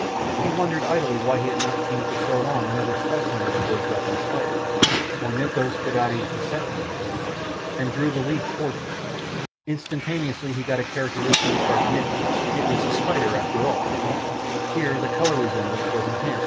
He wondered idly why he had not seen for so long another specimen of the bird dropping spider (Ornithoscatoides decipiens), and drew the leaf towards him. Instantaneously he got a characteristic sharp nip; it was the spider after all! Here the colour resemblance was enhanced by a form resemblance. [Illustration: A.